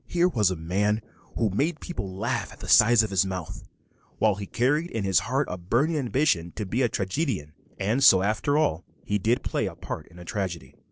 Here was a man who made people laugh at the size of his mouth, while he carried in his heart a burning ambition to be a tragedian; and so after all he did play a part in a tragedy.